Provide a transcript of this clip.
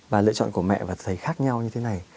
và lựa chọn của mẹ và thầy khác nhau như thế này